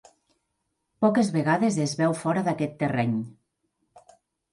Poques vegades es veu fora d'aquest terreny.